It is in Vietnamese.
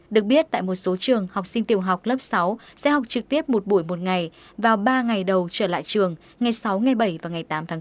được biết tại một số trường học sinh tiểu học lớp sáu sẽ học trực tiếp một buổi một ngày vào ba ngày đầu trở lại trường ngày sáu ngày bảy và ngày tám tháng bốn